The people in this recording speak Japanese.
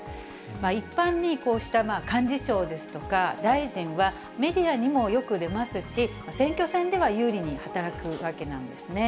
一般にこうした幹事長ですとか、大臣はメディアにもよく出ますし、選挙戦では有利に働くわけなんですね。